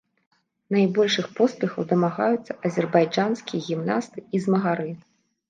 Найбольшых поспехаў дамагаюцца азербайджанскія гімнасты і змагары.